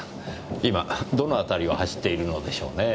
今どの辺りを走っているのでしょうねぇ？